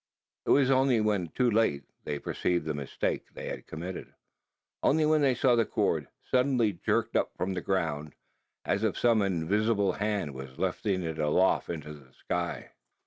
It was only when too late, that they perceived the mistake they had committed only when they saw the cord suddenly jerked up from the ground, as if some invisible hand was lifting it aloft into the sky!